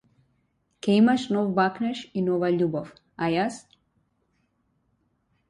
Ќе имаш нов бакнеж и нова љубов, а јас?